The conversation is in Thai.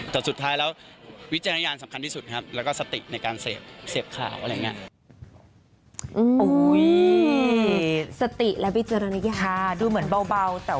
แต่สุดท้ายแล้ววิจารณญาณสำคัญที่สุดครับ